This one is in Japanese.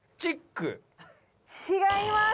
違います。